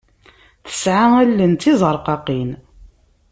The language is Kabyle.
Tesɛa allen d tizerqaqin.